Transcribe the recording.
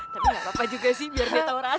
tapi gapapa juga sih biar dia tau rasa